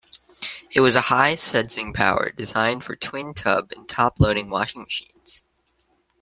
It was a high-sudsing powder designed for twin-tub and top-loading washing machines.